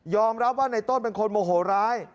รับว่าในต้นเป็นคนโมโหร้าย